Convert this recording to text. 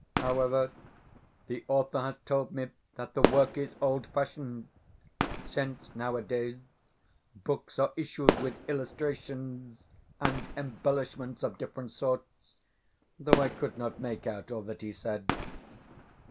However, the author has told me that the work is old fashioned, since, nowadays, books are issued with illustrations and embellishments of different sorts (though I could not make out all that he said).